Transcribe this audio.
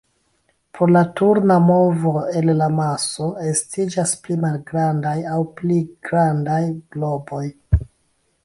Pro la turna movo el la maso estiĝas pli malgrandaj aŭ pli grandaj globoj.